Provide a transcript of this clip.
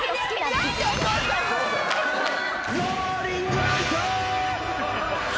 ローリングアウト。